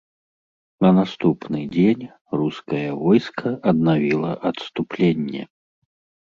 На наступны дзень рускае войска аднавіла адступленне.